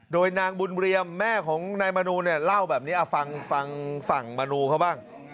โดยนางบุญเรียมแม่ของนายมนูเนี่ยเล่าแบบนี้เอาฟังฝั่งมนูเขาบ้าง